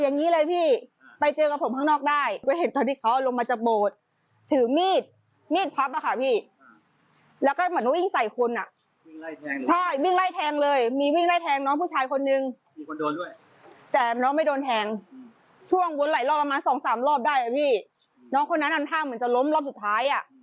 น้องคนนั้นนำทางเหมือนจะล้มรอบสุดท้าย